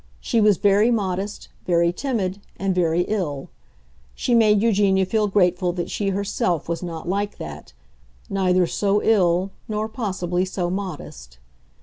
She was very modest, very timid, and very ill; she made Eugenia feel grateful that she herself was not like that—neither so ill, nor, possibly, so modest.